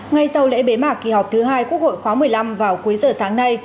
ngay sau lễ bế mạc kỳ họp thứ hai quốc hội khóa một mươi năm vào cuối giờ sáng nay